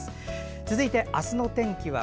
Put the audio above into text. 続いてあすの天気。